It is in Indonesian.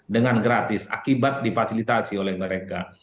dengan gratis akibat difasilitasi oleh mereka